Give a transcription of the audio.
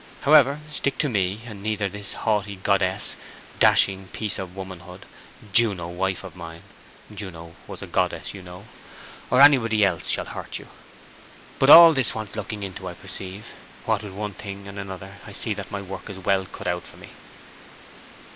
However, stick to me, and neither this haughty goddess, dashing piece of womanhood, Juno wife of mine (Juno was a goddess, you know), nor anybody else shall hurt you. But all this wants looking into, I perceive. What with one thing and another, I see that my work is well cut out for me."